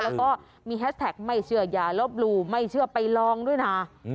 แล้วก็มีแฮชแท็กไม่เชื่ออย่าลบหลู่ไม่เชื่อไปลองด้วยนะ